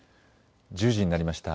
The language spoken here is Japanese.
１０時になりました。